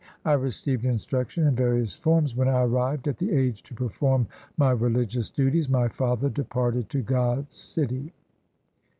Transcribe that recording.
I received instruction in various forms. When I arrived at the age to perform my religious duties, My father departed to God's city.